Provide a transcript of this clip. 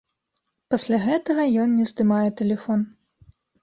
Пасля гэтага ён не здымае тэлефон.